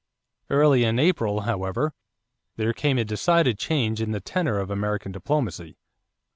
Early in April, however, there came a decided change in the tenor of American diplomacy.